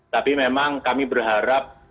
tapi memang kami berharap